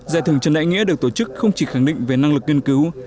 giải thưởng trần đại nghĩa được tổ chức không chỉ khẳng định về năng lực nghiên cứu